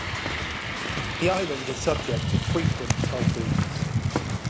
The island is subject to frequent typhoons.